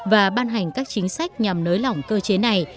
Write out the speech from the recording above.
và ban hành các chính sách nhằm nới lỏng cơ chế này